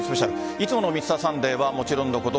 いつもの「Ｍｒ．サンデー」はもちろんのこと